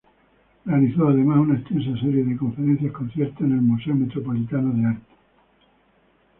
Realizó, además, una extensa serie de conferencias-concierto en el Museo Metropolitano de Arte.